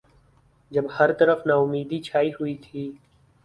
جب ہر طرف ناامیدی چھائی ہوئی تھی۔